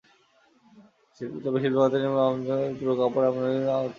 তবে শিল্প খাতে নিবন্ধিত আমদানিকারকেরা পুরোনো কাপড় আমদানির জন্য আবেদন করতে পারবেন না।